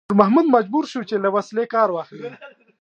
نور محمد مجبور شو چې له وسلې کار واخلي.